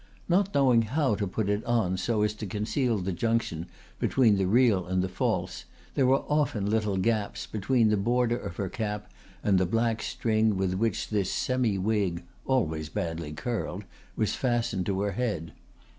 Not knowing how to put it on so as to conceal the junction between the real and the false, there were often little gaps between the border of her cap and the black string with which this semi wig (always badly curled) was fastened to her head.